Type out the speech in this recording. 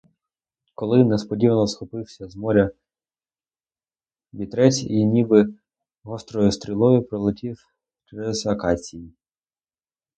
Коли несподівано схопився з моря вітрець і ніби гострою стрілою перелетів через акації.